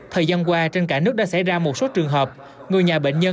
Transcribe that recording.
thời gian qua trên cả nước đã xảy ra một số trường hợp người nhà bệnh nhân